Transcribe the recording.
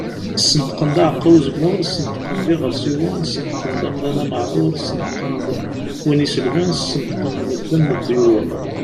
Sneṭqen-d aɛeqqa uzemmur, Sneṭqen-d iɣersiwen, Sneṭqen-d amdan ameɛdur, Sneṭqen-d win iselben, Sneṭqen-d medden leḍyur.